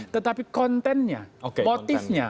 tetapi kontennya motifnya